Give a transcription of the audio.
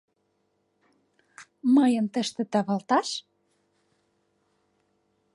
Мыйын тыште тавалташ?